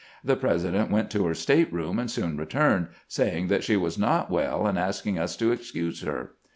The President went to her state room, and soon returned, saying that she was not well, and asking us to excuse her."